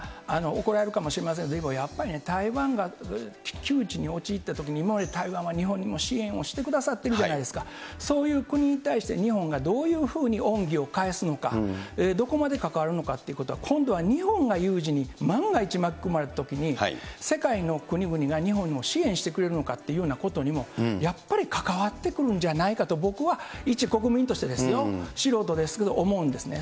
怒られるかもしれませんが、やっぱりね、台湾が窮地に陥ったときに、今まで台湾は日本にも支援をしてくださってるじゃないですか、そういう国に対して日本がどういうふうに恩義を返すのか、どこまで関わるのかということは、今度は日本が有事に万が一、巻き込まれたときに、世界の国々が日本にも支援してくれるのかっていうようなことにもやっぱり関わってくるんじゃないかと、僕は一国民としてですよ、素人ですけれども、思うんですよね。